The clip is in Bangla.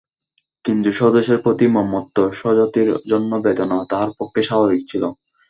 কিন্তু স্বদেশের প্রতি মমত্ব, স্বজাতির জন্য বেদনা তাহার পক্ষে স্বাভাবিক ছিল।